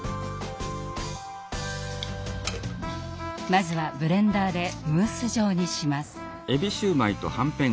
まずはブレンダーでムース状にします。